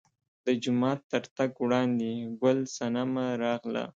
د جومات تر تګ وړاندې ګل صنمه راغله.